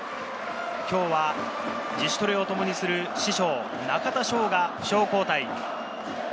今日は自主トレをともにする師匠・中田翔が負傷交代。